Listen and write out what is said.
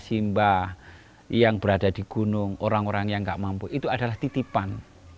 saya tidak mampu itu adalah titipan